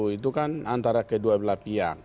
itu kan antara kedua belah pihak